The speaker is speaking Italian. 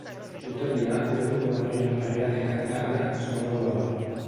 Tuttavia, la lingua mandarina parlata e cantata suona uguale.